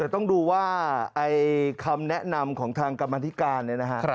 แต่ต้องดูว่าคำแนะนำของทางกรรมนิการ